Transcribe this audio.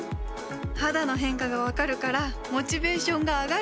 肌の変化が分かるからモチベーションが上がる！